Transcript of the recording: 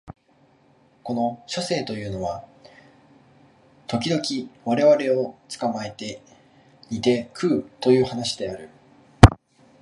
この書生というのは時々我々を捕えて煮て食うという話である